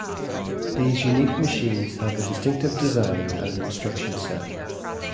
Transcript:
These unique machines have a distinctive design and instruction set.